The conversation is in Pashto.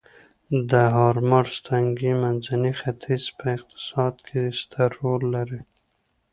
د هرمرز تنګی منځني ختیځ په اقتصاد کې ستر رول لري